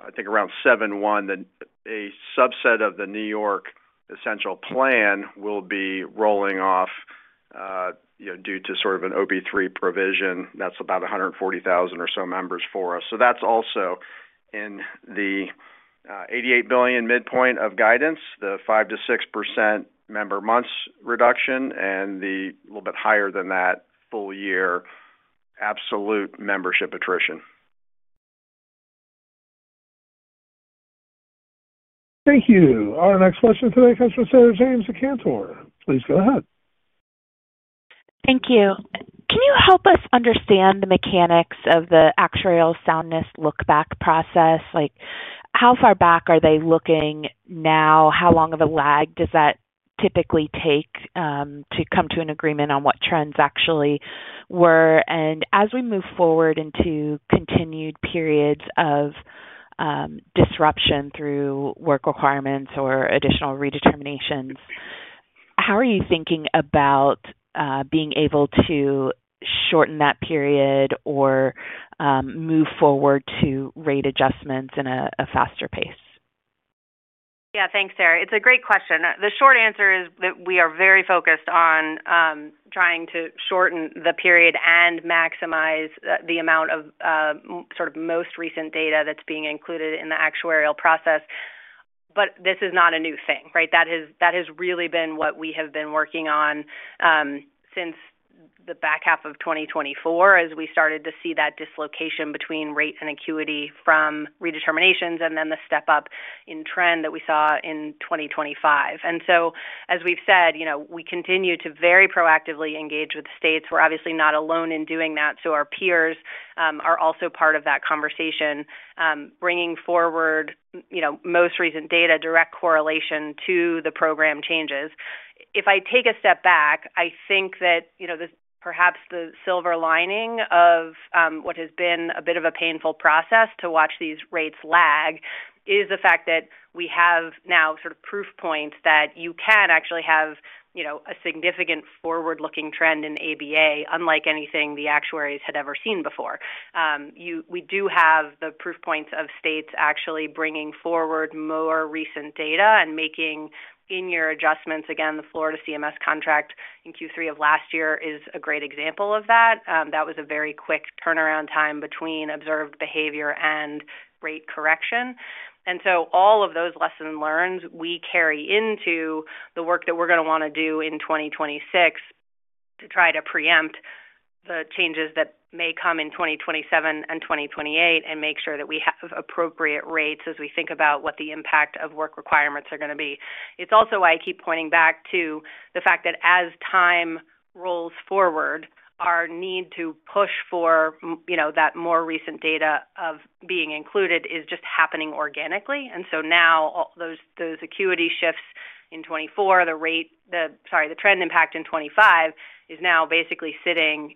I think, around 7/1, that a subset of the New York Essential Plan will be rolling off due to sort of an OB3 provision. That's about 140,000 or so members for us. So that's also in the $88 billion midpoint of guidance, the 5%-6% member months reduction, and the a little bit higher than that full year absolute membership attrition. Thank you. Our next question today comes from Sarah James. Please go ahead. Thank you. Can you help us understand the mechanics of the actuarial soundness lookback process? How far back are they looking now? How long of a lag does that typically take to come to an agreement on what trends actually were? And as we move forward into continued periods of disruption through work requirements or additional redeterminations, how are you thinking about being able to shorten that period or move forward to rate adjustments in a faster pace? Yeah. Thanks, Sarah. It's a great question. The short answer is that we are very focused on trying to shorten the period and maximize the amount of sort of most recent data that's being included in the actuarial process. But this is not a new thing, right? That has really been what we have been working on since the back half of 2024 as we started to see that dislocation between rate and acuity from redeterminations and then the step-up in trend that we saw in 2025. And so, as we've said, we continue to very proactively engage with states. We're obviously not alone in doing that. So our peers are also part of that conversation, bringing forward most recent data, direct correlation to the program changes. If I take a step back, I think that perhaps the silver lining of what has been a bit of a painful process to watch these rates lag is the fact that we have now sort of proof points that you can actually have a significant forward-looking trend in ABA, unlike anything the actuaries had ever seen before. We do have the proof points of states actually bringing forward more recent data and making in-year adjustments. Again, the Florida CMS contract in Q3 of last year is a great example of that. That was a very quick turnaround time between observed behavior and rate correction. And so all of those lessons learned we carry into the work that we're going to want to do in 2026 to try to preempt the changes that may come in 2027 and 2028 and make sure that we have appropriate rates as we think about what the impact of work requirements are going to be. It's also why I keep pointing back to the fact that as time rolls forward, our need to push for that more recent data of being included is just happening organically. And so now those acuity shifts in 2024, the rate sorry, the trend impact in 2025 is now basically sitting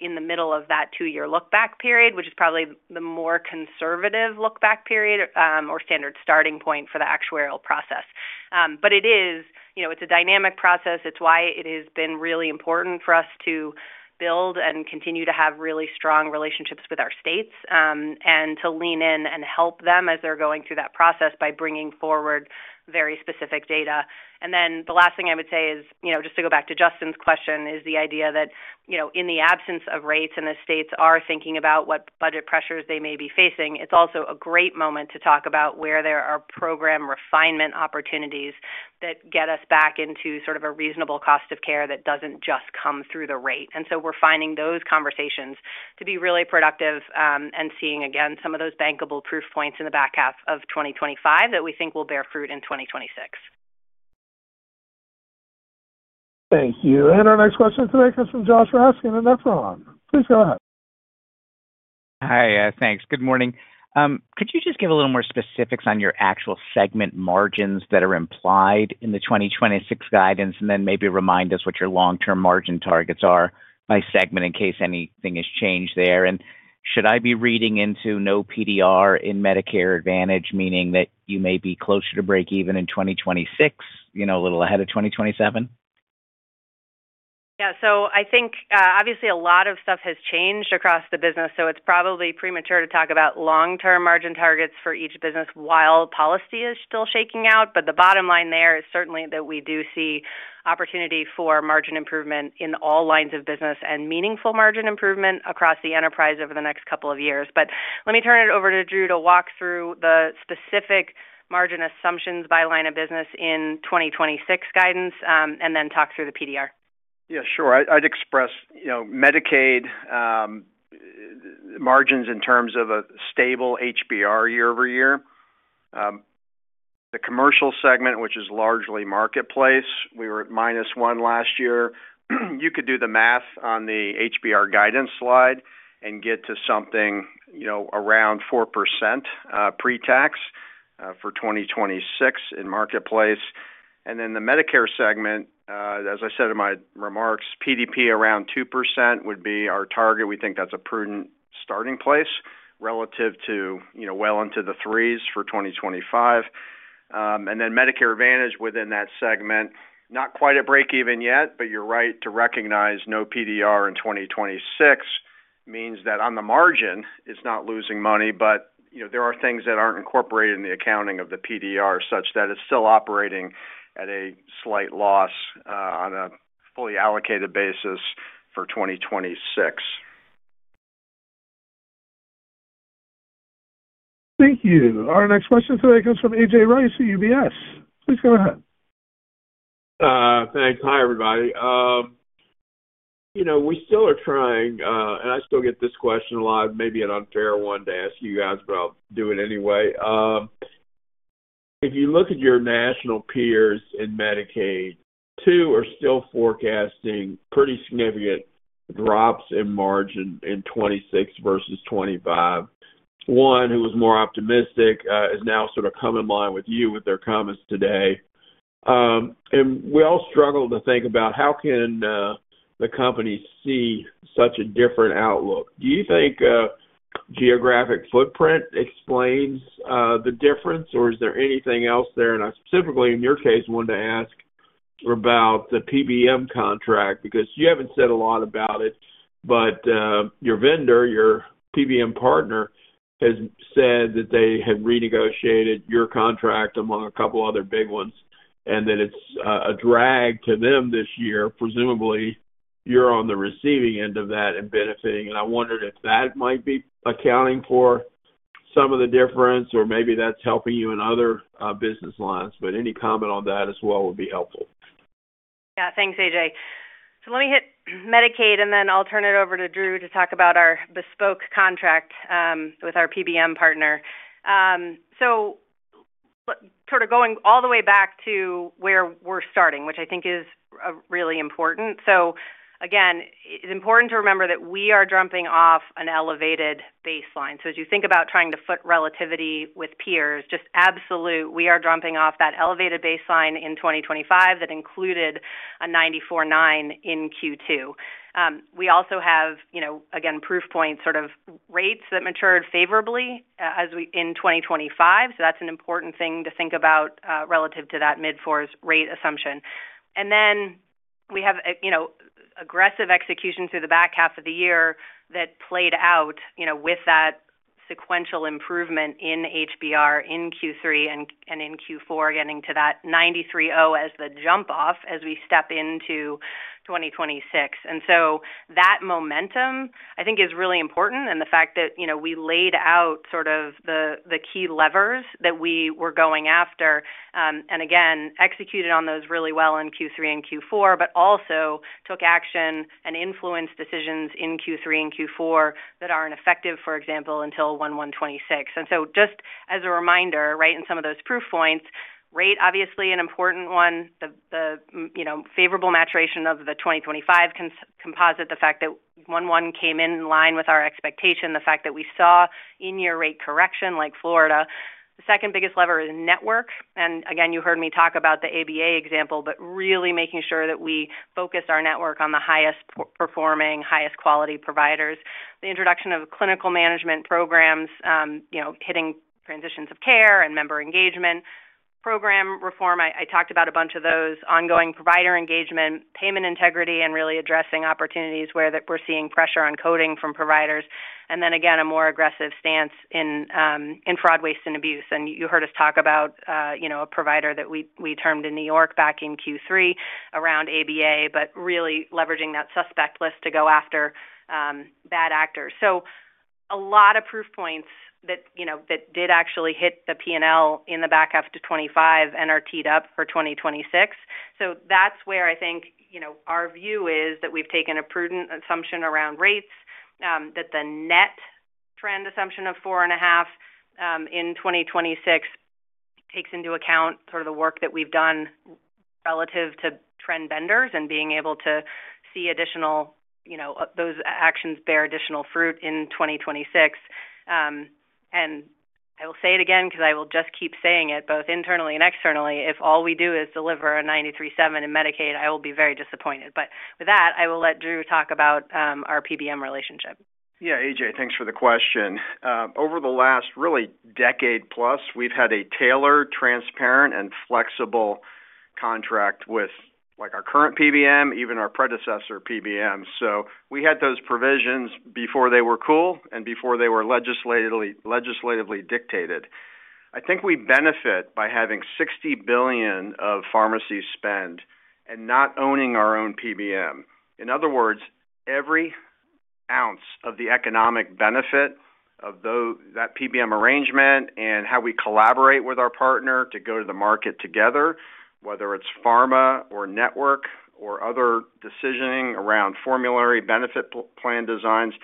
in the middle of that two-year lookback period, which is probably the more conservative lookback period or standard starting point for the actuarial process. But it is a dynamic process. It's why it has been really important for us to build and continue to have really strong relationships with our states and to lean in and help them as they're going through that process by bringing forward very specific data. And then the last thing I would say is just to go back to Justin's question, is the idea that in the absence of rates and the states are thinking about what budget pressures they may be facing, it's also a great moment to talk about where there are program refinement opportunities that get us back into sort of a reasonable cost of care that doesn't just come through the rate. And so we're finding those conversations to be really productive and seeing, again, some of those bankable proof points in the back half of 2025 that we think will bear fruit in 2026. Thank you. And our next question today comes from Josh Raskin at Nephron. Please go ahead. Hi. Thanks. Good morning. Could you just give a little more specifics on your actual segment margins that are implied in the 2026 guidance and then maybe remind us what your long-term margin targets are by segment in case anything has changed there? And should I be reading into no PDR in Medicare Advantage, meaning that you may be closer to break even in 2026, a little ahead of 2027? Yeah. So I think, obviously, a lot of stuff has changed across the business. So it's probably premature to talk about long-term margin targets for each business while policy is still shaking out. But the bottom line there is certainly that we do see opportunity for margin improvement in all lines of business and meaningful margin improvement across the enterprise over the next couple of years. But let me turn it over to Drew to walk through the specific margin assumptions by line of business in 2026 guidance and then talk through the PDR. Yeah. Sure. I'd express Medicaid margins in terms of a stable HBR year over year. The commercial segment, which is largely marketplace, we were at -1% last year. You could do the math on the HBR guidance slide and get to something around 4% pre-tax for 2026 in marketplace. And then the Medicare segment, as I said in my remarks, PDP around 2% would be our target. We think that's a prudent starting place relative to well into the threes for 2025. And then Medicare Advantage within that segment, not quite at break-even yet, but you're right to recognize no PDR in 2026 means that on the margin, it's not losing money. But there are things that aren't incorporated in the accounting of the PDR such that it's still operating at a slight loss on a fully allocated basis for 2026. Thank you. Our next question today comes from A.J. Rice at UBS. Please go ahead. Thanks. Hi, everybody. We still are trying and I still get this question a lot. Maybe an unfair one to ask you guys, but I'll do it anyway. If you look at your national peers in Medicaid, two are still forecasting pretty significant drops in margin in 2026 versus 2025. One, who was more optimistic, is now sort of coming along with you with their comments today. And we all struggle to think about how can the companies see such a different outlook? Do you think geographic footprint explains the difference, or is there anything else there? I specifically, in your case, wanted to ask about the PBM contract because you haven't said a lot about it. But your vendor, your PBM partner, has said that they had renegotiated your contract among a couple other big ones and that it's a drag to them this year. Presumably, you're on the receiving end of that and benefiting. And I wondered if that might be accounting for some of the difference, or maybe that's helping you in other business lines. But any comment on that as well would be helpful. Yeah. Thanks, A.J. Let me hit Medicaid, and then I'll turn it over to Drew to talk about our bespoke contract with our PBM partner. Sort of going all the way back to where we're starting, which I think is really important. Again, it's important to remember that we are dropping off an elevated baseline. So as you think about trying to foot relativity with peers, just absolute, we are dropping off that elevated baseline in 2025 that included a 94.9% in Q2. We also have, again, proof points, sort of rates that matured favorably in 2025. So that's an important thing to think about relative to that mid-fours rate assumption. And then we have aggressive execution through the back half of the year that played out with that sequential improvement in HBR in Q3 and in Q4, getting to that 93.0% as the jump-off as we step into 2026. And so that momentum, I think, is really important. And the fact that we laid out sort of the key levers that we were going after and, again, executed on those really well in Q3 and Q4, but also took action and influenced decisions in Q3 and Q4 that aren't effective, for example, until 1/1/2026. And so, just as a reminder, right, in some of those proof points, rate—obviously, an important one—the favorable maturation of the 2025 composite, the fact that 1.1 came in line with our expectation, the fact that we saw in-year rate correction like Florida. The second biggest lever is network. And again, you heard me talk about the ABA example, but really making sure that we focus our network on the highest performing, highest quality providers, the introduction of clinical management programs, hitting transitions of care and member engagement, program reform. I talked about a bunch of those, ongoing provider engagement, payment integrity, and really addressing opportunities where we're seeing pressure on coding from providers. And then, again, a more aggressive stance in fraud, waste, and abuse. And you heard us talk about a provider that we terminated in New York back in Q3 around ABA, but really leveraging that suspect list to go after bad actors. So a lot of proof points that did actually hit the P&L in the back half to 2025 and are teed up for 2026. So that's where I think our view is that we've taken a prudent assumption around rates, that the net trend assumption of 4.5 in 2026 takes into account sort of the work that we've done relative to trend vendors and being able to see additional those actions bear additional fruit in 2026. And I will say it again because I will just keep saying it both internally and externally. If all we do is deliver a 93.7 in Medicaid, I will be very disappointed. But with that, I will let Drew talk about our PBM relationship. Yeah. A.J., thanks for the question. Over the last really decade-plus, we've had a tailored, transparent, and flexible contract with our current PBM, even our predecessor PBM. So we had those provisions before they were cool and before they were legislatively dictated. I think we benefit by having $60 billion of pharmacy spend and not owning our own PBM. In other words, every ounce of the economic benefit of that PBM arrangement and how we collaborate with our partner to go to the market together, whether it's pharma or network or other decisioning around formulary, benefit plan designs,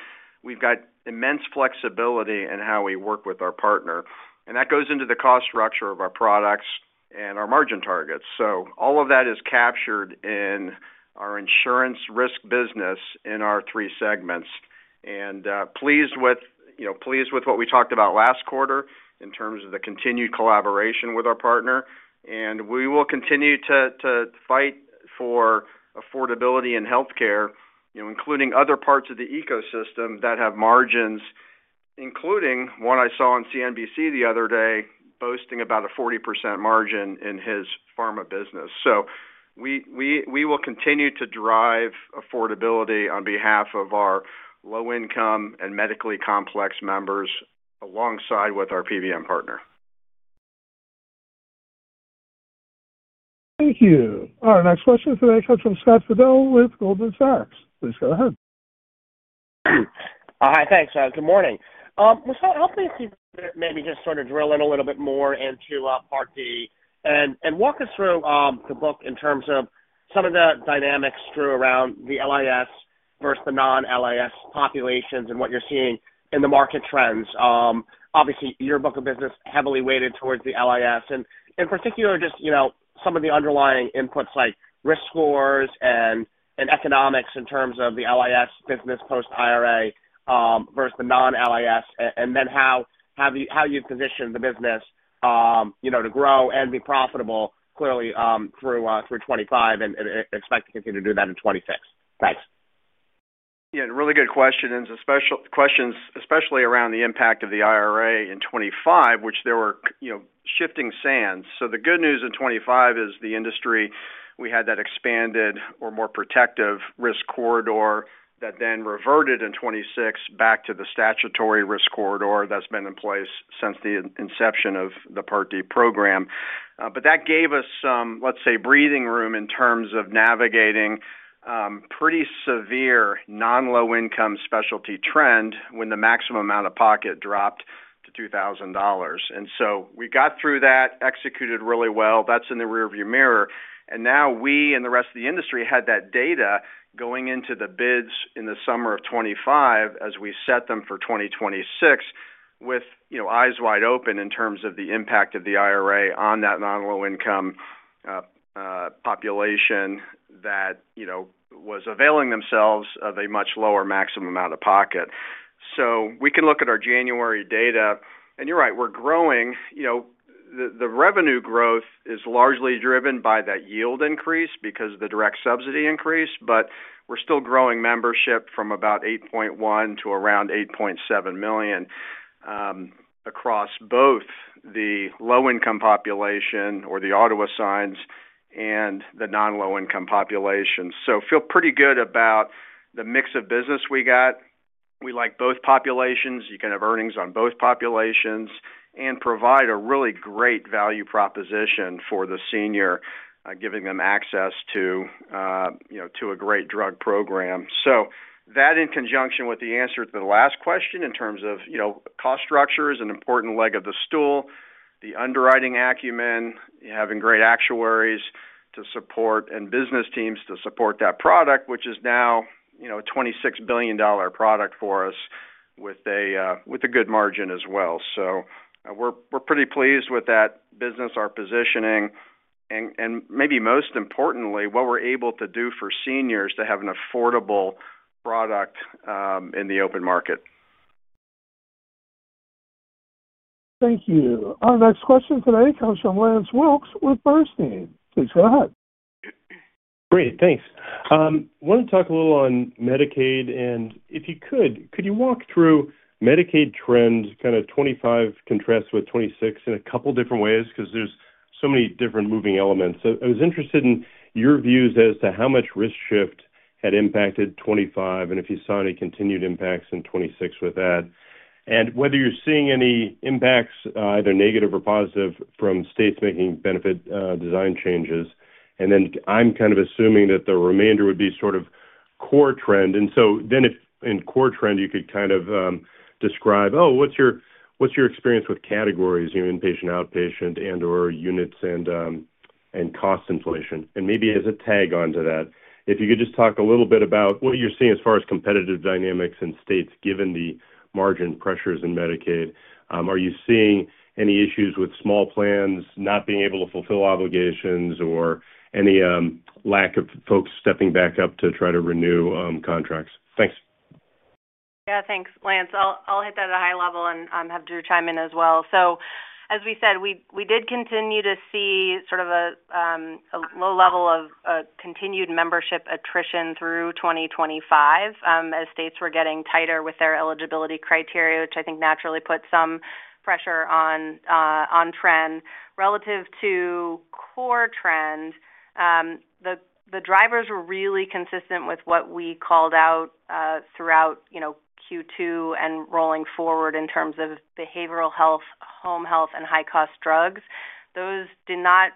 we've got immense flexibility in how we work with our partner. And that goes into the cost structure of our products and our margin targets. So all of that is captured in our insurance risk business in our three segments. And pleased with what we talked about last quarter in terms of the continued collaboration with our partner. And we will continue to fight for affordability in healthcare, including other parts of the ecosystem that have margins, including one I saw on CNBC the other day boasting about a 40% margin in his pharma business. So we will continue to drive affordability on behalf of our low-income and medically complex members alongside with our PBM partner. Thank you. Our next question today comes from Scott Fidel with Goldman Sachs. Please go ahead. Hi. Thanks, John. Good morning. Well, so help me maybe just sort of drill in a little bit more into Part D and walk us through the book in terms of some of the dynamics through around the LIS versus the non-LIS populations and what you're seeing in the market trends. Obviously, your book of business heavily weighted towards the LIS and, in particular, just some of the underlying inputs like risk scores and economics in terms of the LIS business post-IRA versus the non-LIS, and then how you've positioned the business to grow and be profitable, clearly, through 2025 and expect to continue to do that in 2026. Thanks. Yeah. Really good questions, especially around the impact of the IRA in 2025, which there were shifting sands. So the good news in 2025 is the industry, we had that expanded or more protective risk corridor that then reverted in 2026 back to the statutory risk corridor that's been in place since the inception of the Part D program. But that gave us some, let's say, breathing room in terms of navigating pretty severe non-low-income specialty trend when the maximum out-of-pocket dropped to $2,000. So we got through that, executed really well. That's in the rearview mirror. Now we and the rest of the industry had that data going into the bids in the summer of 2025 as we set them for 2026 with eyes wide open in terms of the impact of the IRA on that non-low-income population that was availing themselves of a much lower maximum out-of-pocket. So we can look at our January data. You're right, we're growing. The revenue growth is largely driven by that yield increase because of the direct subsidy increase. But we're still growing membership from about 8.1 million to around 8.7 million across both the low-income population or the LIS and the non-low-income population. So feel pretty good about the mix of business we got. We like both populations. You can have earnings on both populations and provide a really great value proposition for the senior, giving them access to a great drug program. So that in conjunction with the answer to the last question in terms of cost structure is an important leg of the stool, the underwriting acumen, having great actuaries to support and business teams to support that product, which is now a $26 billion product for us with a good margin as well. So we're pretty pleased with that business, our positioning, and maybe most importantly, what we're able to do for seniors to have an affordable product in the open market. Thank you. Our next question today comes from Lance Wilkes with Bernstein. Please go ahead. Great. Thanks. I want to talk a little on Medicaid. And if you could, could you walk through Medicaid trends, kind of 2025 contrasted with 2026 in a couple of different ways because there's so many different moving elements? I was interested in your views as to how much risk shift had impacted 2025 and if you saw any continued impacts in 2026 with that, and whether you're seeing any impacts, either negative or positive, from states making benefit design changes. And then I'm kind of assuming that the remainder would be sort of core trend. And so then in core trend, you could kind of describe, "Oh, what's your experience with categories, inpatient, outpatient, and/or units and cost inflation?" And maybe as a tag onto that, if you could just talk a little bit about what you're seeing as far as competitive dynamics in states, given the margin pressures in Medicaid. Are you seeing any issues with small plans not being able to fulfill obligations or any lack of folks stepping back up to try to renew contracts? Thanks. Yeah. Thanks, Lance. I'll hit that at a high level and have Drew chime in as well. So as we said, we did continue to see sort of a low level of continued membership attrition through 2025 as states were getting tighter with their eligibility criteria, which I think naturally put some pressure on trend. Relative to core trend, the drivers were really consistent with what we called out throughout Q2 and rolling forward in terms of behavioral health, home health, and high-cost drugs. Those did not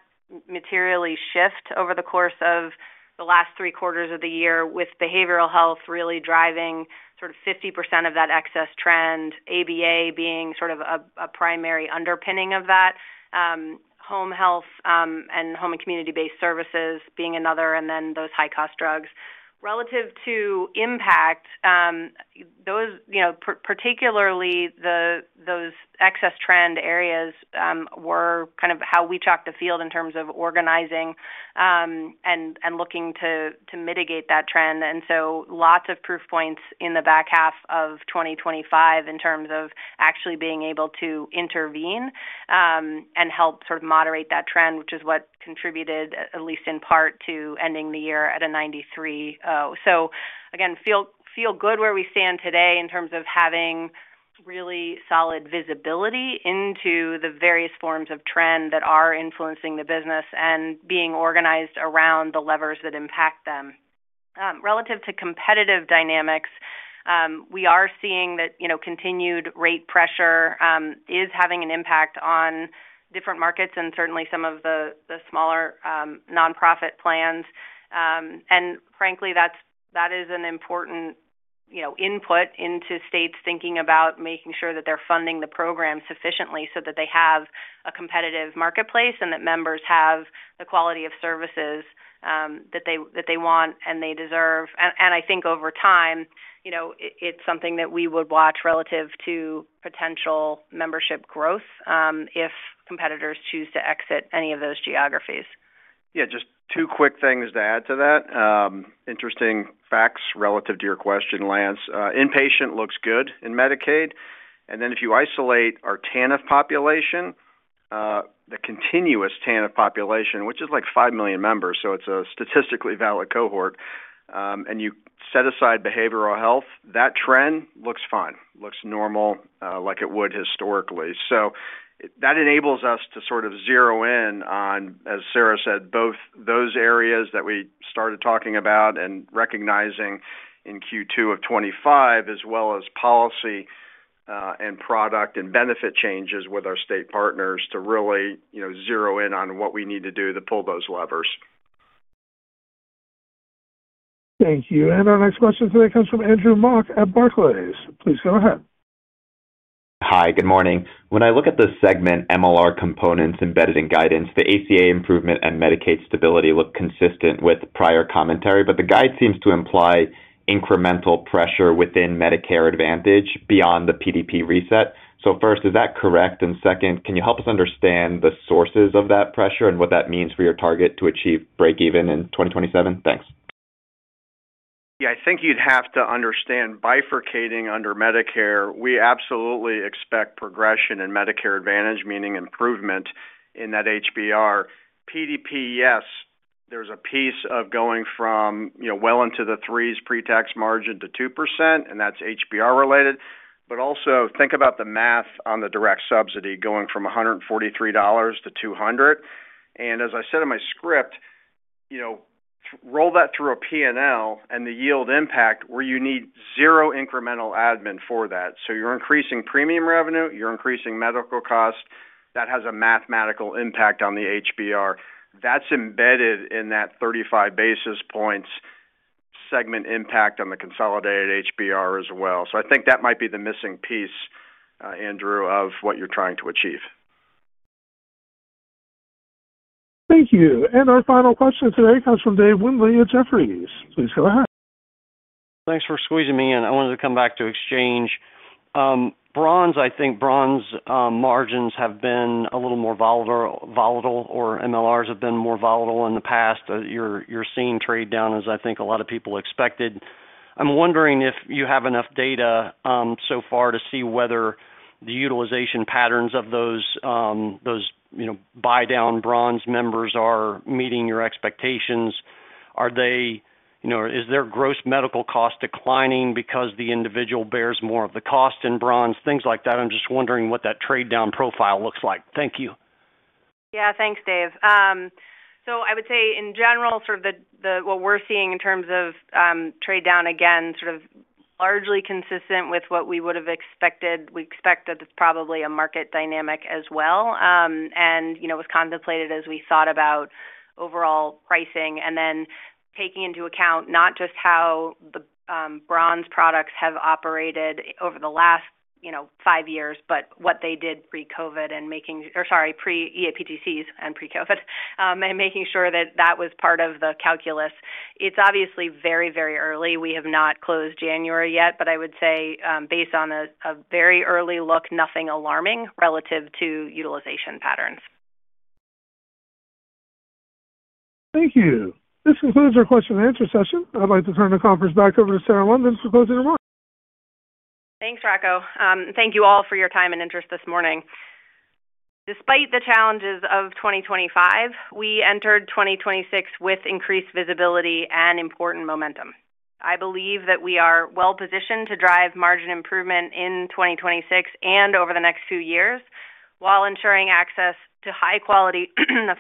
materially shift over the course of the last three quarters of the year, with behavioral health really driving sort of 50% of that excess trend, ABA being sort of a primary underpinning of that, home health and home and community-based services being another, and then those high-cost drugs. Relative to impact, particularly those excess trend areas were kind of how we chalked the field in terms of organizing and looking to mitigate that trend. And so lots of proof points in the back half of 2025 in terms of actually being able to intervene and help sort of moderate that trend, which is what contributed, at least in part, to ending the year at a 93.0. So again, feel good where we stand today in terms of having really solid visibility into the various forms of trend that are influencing the business and being organized around the levers that impact them. Relative to competitive dynamics, we are seeing that continued rate pressure is having an impact on different markets and certainly some of the smaller nonprofit plans. And frankly, that is an important input into states thinking about making sure that they're funding the program sufficiently so that they have a competitive marketplace and that members have the quality of services that they want and they deserve. And I think over time, it's something that we would watch relative to potential membership growth if competitors choose to exit any of those geographies. Yeah. Just two quick things to add to that. Interesting facts relative to your question, Lance. Inpatient looks good in Medicaid. And then if you isolate our TANF population, the continuous TANF population, which is like 5 million members, so it's a statistically valid cohort, and you set aside behavioral health, that trend looks fine, looks normal like it would historically. So that enables us to sort of zero in on, as Sarah said, both those areas that we started talking about and recognizing in Q2 of 2025 as well as policy and product and benefit changes with our state partners to really zero in on what we need to do to pull those levers. Thank you. And our next question today comes from Andrew Mok at Barclays. Please go ahead. Hi. Good morning. When I look at the segment MLR components embedded in guidance, the ACA improvement and Medicaid stability look consistent with prior commentary, but the guide seems to imply incremental pressure within Medicare Advantage beyond the PDP reset. So first, is that correct? And second, can you help us understand the sources of that pressure and what that means for your target to achieve break-even in 2027? Thanks. Yeah. I think you'd have to understand bifurcating under Medicare. We absolutely expect progression in Medicare Advantage, meaning improvement in that HBR. PDP, yes, there's a piece of going from well into the 3s pre-tax margin to 2%, and that's HBR-related. But also think about the math on the direct subsidy going from $143 to $200. And as I said in my script, roll that through a P&L and the yield impact where you need zero incremental admin for that. So you're increasing premium revenue. You're increasing medical cost. That has a mathematical impact on the HBR. That's embedded in that 35 basis points segment impact on the consolidated HBR as well. So I think that might be the missing piece, Andrew, of what you're trying to achieve. Thank you. And our final question today comes from Dave Windley at Jefferies. Please go ahead. Thanks for squeezing me in. I wanted to come back to exchange. I think bronze margins have been a little more volatile, or MLRs have been more volatile in the past. You're seeing trade down as I think a lot of people expected. I'm wondering if you have enough data so far to see whether the utilization patterns of those buy-down bronze members are meeting your expectations. Are they? Is their gross medical cost declining because the individual bears more of the cost in bronze? Things like that. I'm just wondering what that trade-down profile looks like. Thank you. Yeah. Thanks, Dave. So I would say, in general, sort of what we're seeing in terms of trade-down, again, sort of largely consistent with what we would have expected. We expect that it's probably a market dynamic as well and was contemplated as we thought about overall pricing and then taking into account not just how the bronze products have operated over the last five years, but what they did pre-EAPTCs and pre-COVID and making sure that that was part of the calculus. It's obviously very, very early. We have not closed January yet, but I would say, based on a very early look, nothing alarming relative to utilization patterns. Thank you. This concludes our question and answer session. I'd like to turn the conference back over to Sarah London for closing remarks. Thanks, Rocco. Thank you all for your time and interest this morning. Despite the challenges of 2025, we entered 2026 with increased visibility and important momentum. I believe that we are well-positioned to drive margin improvement in 2026 and over the next few years while ensuring access to high-quality,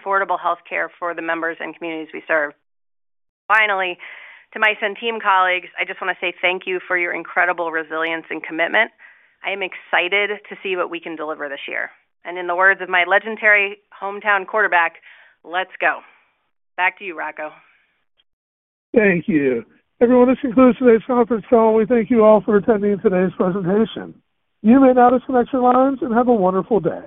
affordable healthcare for the members and communities we serve. Finally, to my Centene colleagues, I just want to say thank you for your incredible resilience and commitment. I am excited to see what we can deliver this year. And in the words of my legendary hometown quarterback, "Let's go." Back to you, Rocco. Thank you. Everyone, this concludes today's conference call. We thank you all for attending today's presentation. You may now disconnect your lines and have a wonderful day.